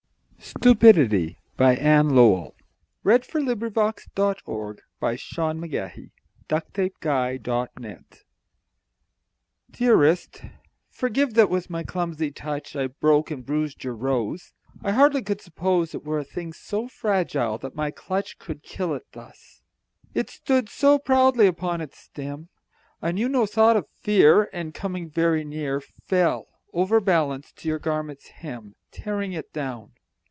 Spilt is that liquor, my too hasty hand Threw down the cup, and did not understand. Stupidity Dearest, forgive that with my clumsy touch I broke and bruised your rose. I hardly could suppose It were a thing so fragile that my clutch Could kill it, thus. It stood so proudly up upon its stem, I knew no thought of fear, And coming very near Fell, overbalanced, to your garment's hem, Tearing it down.